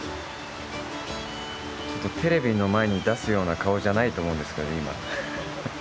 ちょっとテレビの前に出すような顔じゃないと思うんですけど、今。